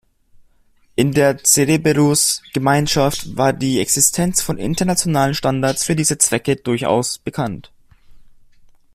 In der Zerberus-Gemeinschaft war die Existenz von internationalen Standards für diese Zwecke durchaus bekannt.